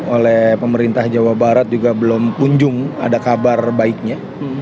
oleh pemerintah jawa barat juga belum kunjung ada kabar baiknya